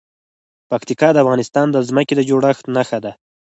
پکتیکا د افغانستان د ځمکې د جوړښت نښه ده.